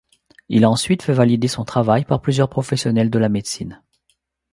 Il a ensuite fait valider son travail par plusieurs professionnels de la médecine.